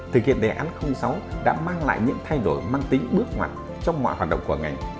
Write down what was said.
thực hiện đề án sáu đã mang lại những thay đổi mang tính bước ngoặt trong mọi hoạt động của ngành